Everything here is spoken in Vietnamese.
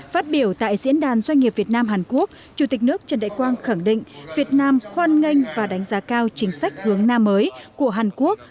phát biểu tại diễn đàn doanh nghiệp việt nam hàn quốc chủ tịch nước trần đại quang khẳng định việt nam hoan nghênh và đánh giá cao chính sách hướng nam mới của hàn quốc